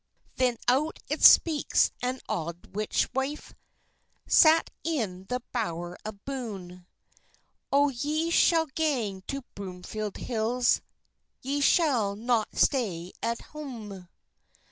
Then out it speaks an auld witch wife, Sat in the bower aboon: "O ye shall gang to Broomfield Hills, Ye shall not stay at hame.